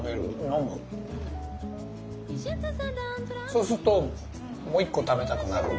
そうするともう１個食べたくなる。